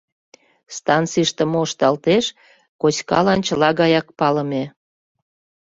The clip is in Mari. Станцийыште мо ышталтеш — Коськалан чыла гаяк палыме.